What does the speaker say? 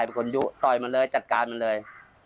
แป๊บจัดการมันเลย